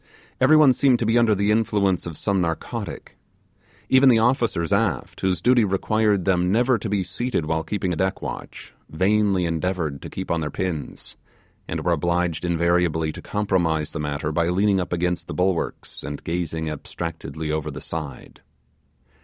Every one seemed to be under the influence of some narcotic. Even the officers aft, whose duty required them never to be seated while keeping a deck watch, vainly endeavoured to keep on their pins; and were obliged invariably to compromise the matter by leaning up against the bulwarks, and gazing abstractedly over the side.